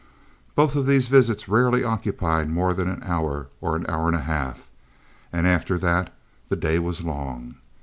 Both of these visits rarely occupied more than an hour, or an hour and a half, and after that the day was long.